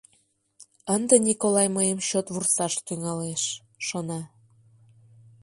Ынде Николай мыйым чот вурсаш тӱҥалеш, шона.